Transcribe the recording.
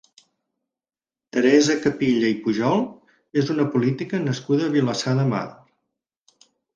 Teresa Capilla i Pujol és una política nascuda a Vilassar de Mar.